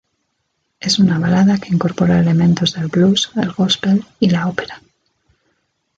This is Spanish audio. Es una balada que incorpora elementos del blues, el gospel y la ópera.